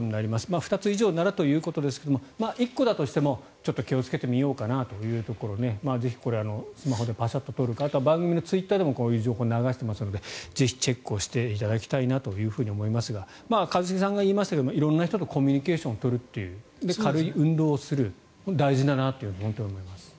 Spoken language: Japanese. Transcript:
２つ以上ならということですが１個だとしても気をつけてみようかなというところぜひこれはスマホでパシャッと撮るかあとは番組のツイッターでもこういう情報を流しているのでぜひチェックしていただきたいなと思いますが一茂さんが言いましたが色んな人とコミュニケーションを取る軽い運動をする大事だなと本当に思います。